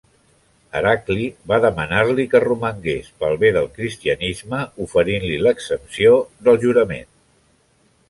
Heracli va demanar-li que romangués pel bé del cristianisme oferint-li l'exempció del jurament.